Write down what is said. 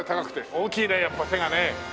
大きいねやっぱ手がね。